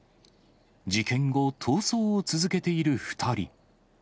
事件後、逃走を続けている２人。